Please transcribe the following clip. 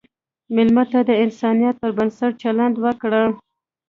مېلمه ته د انسانیت پر بنسټ چلند وکړه.